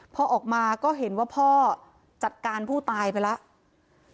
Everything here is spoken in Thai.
พอออกมาก็เห็นว่าพ่อจัดการผู้ตายไปแล้ว